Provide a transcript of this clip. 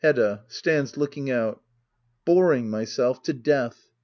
Hedda. [Stands looking otr/.l Boring myself to death.